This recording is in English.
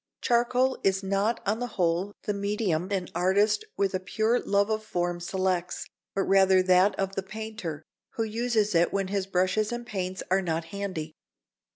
Charcoal is not on the whole the medium an artist with a pure love of form selects, but rather that of the painter, who uses it when his brushes and paints are not handy.